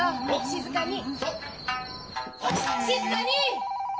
☎静かに！